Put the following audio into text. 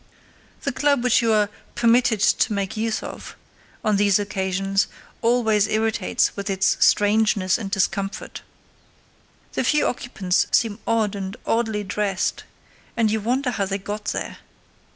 The club which you are "permitted to make use of" on these occasions always irritates with its strangeness and discomfort. The few occupants seem odd and oddly dressed, and you wonder how they got there.